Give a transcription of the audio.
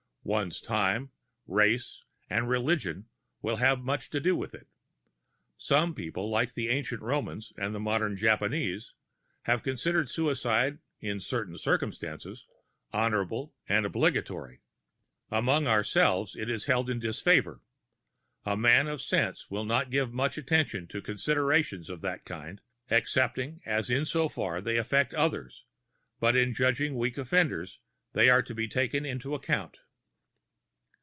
One's time, race and religion have much to do with it. Some people, like the ancient Romans and the modern Japanese, have considered suicide in certain circumstances honorable and obligatory; among ourselves it is held in disfavor. A man of sense will not give much attention to considerations of that kind, excepting in so far as they affect others, but in judging weak offenders they are to be taken into the account.